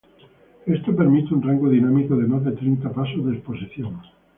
Esto permite un rango dinámico de más de treinta pasos de exposición.